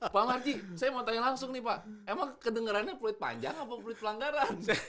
pak mardi saya mau tanya langsung nih pak emang kedengerannya peluit panjang apa peluit pelanggaran